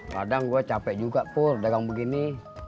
kadang gue capek juga pur dagang begini